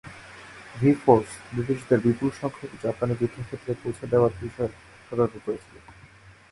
V force ব্রিটিশদের বিপুল সংখ্যক জাপানী যুদ্ধক্ষেত্রে পৌঁছে দেওয়ার বিষয়ে সতর্ক করেছিল।